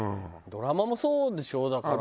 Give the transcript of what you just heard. ドラマもそうでしょ？だから。